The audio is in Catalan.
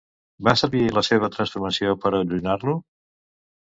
Va servir la seva transformació per a allunyar-lo?